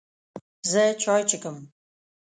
زه چای څښم.